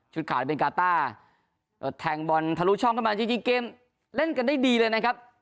ขายเป็นกาต้าแทงบอลทะลุช่องเข้ามาจริงเกมเล่นกันได้ดีเลยนะครับ